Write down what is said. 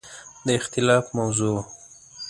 د اختلاف موضوع وه.